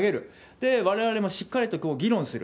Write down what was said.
で、われわれもしっかりと議論する。